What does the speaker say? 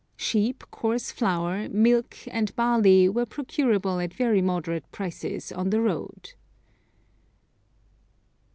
Sheep, coarse flour, milk, and barley were procurable at very moderate prices on the road.